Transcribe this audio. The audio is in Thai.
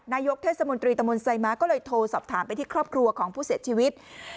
นายกเทศมนตรีตะมนต์ไซม้าก็เลยโทรสอบถามไปที่ครอบครัวของผู้เสียชีวิต